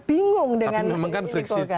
bingung dengan ini golkar